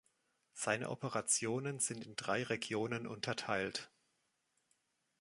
Seine Operationen sind in drei Regionen unterteilt.